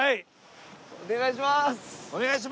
お願いします。